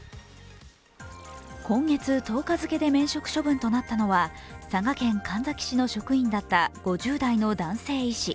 今月１０日付で免職処分になったのは佐賀県神埼市の職員だった５０代の男性医師。